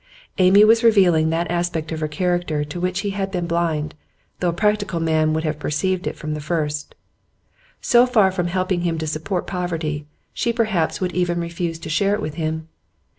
Amy was revealing that aspect of her character to which he had been blind, though a practical man would have perceived it from the first; so far from helping him to support poverty, she perhaps would even refuse to share it with him.